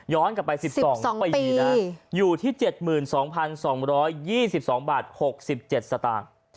ย้อนกลับไป๑๒ปีอยู่ที่๗๒๒๒๒บาท๖๗สตาร์ท